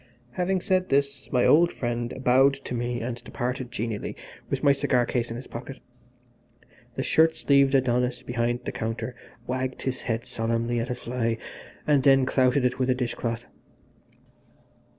Having said this my old friend bowed to me and departed genially with my cigar case in his pocket. The shirt sleeved Adonis behind the counter wagged his head solemnly at a fly and then clouted it with a dish cloth.